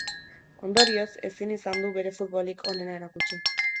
Ondorioz, ezin izan du bere futbolik onena erakutsi.